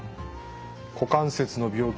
股関節の病気